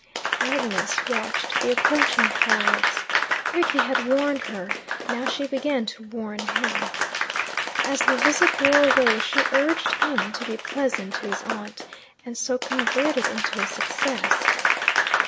Agnes watched the approaching clouds. Rickie had warned her; now she began to warn him. As the visit wore away she urged him to be pleasant to his aunt, and so convert it into a success.